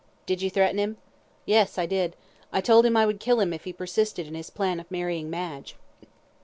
"Did you threaten him?" "Yes, I did. I told him I would kill him if he persisted in his plan of marrying Madge."